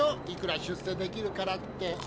いくら出世できるからって。